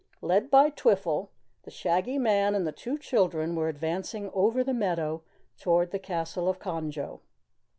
Led by Twiffle, the Shaggy Man and the two children were advancing over the meadow toward the Castle of Conjo.